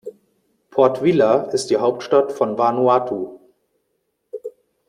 Port Vila ist die Hauptstadt von Vanuatu.